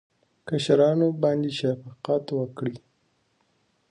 کشرانو باندې شفقت وکړئ